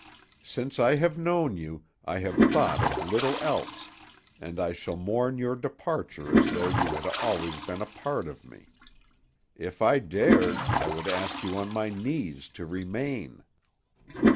Since I have known you, I have thought of little else, and I shall mourn your departure as though you had always been a part of me. If I dared, I would ask you on my knees to remain."